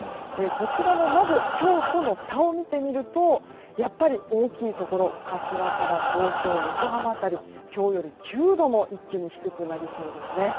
こちらもまず今日との差を見てみるとやっぱり大きいところ柏から東京横浜辺りは今日より９度も一気に低くなりそうですね。